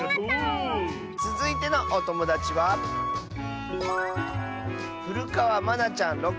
つづいてのおともだちはまなちゃんの。